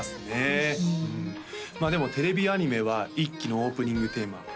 ぜひまあでもテレビアニメは１期のオープニングテーマ